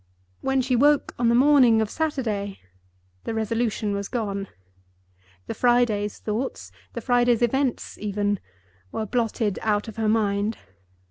When she woke on the morning of Saturday, the resolution was gone. The Friday's thoughts—the Friday's events even—were blotted out of her mind.